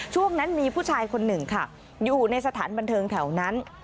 ช่วงนั้นมีผู้ชายคนหนึ่งค่ะอยู่ในสถานบันเทิงแถวนั้น